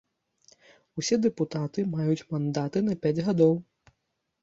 Усе дэпутаты маюць мандаты на пяць гадоў.